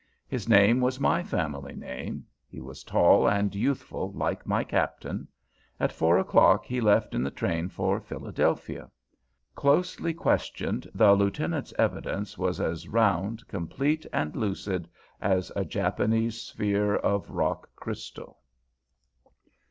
His name was my family name; he was tall and youthful, like my Captain. At four o'clock he left in the train for Philadelphia. Closely questioned, the Lieutenant's evidence was as round, complete, and lucid as a Japanese sphere of rock crystal.